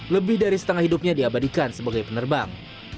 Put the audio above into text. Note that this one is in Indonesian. lebih dari setengah hidupnya diabadikan sebagai penerbang